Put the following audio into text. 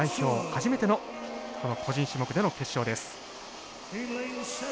初めての個人種目での決勝です。